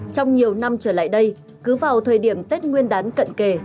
trong nhiều năm trở lại đây cứ vào thời điểm tết nguyên đán cận kề